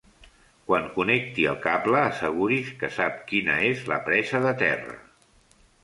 Quan connecti el cable, asseguris que sap quina és la presa de terra.